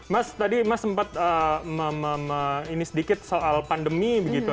mas tadi mas sempet ini sedikit soal pandemi gitu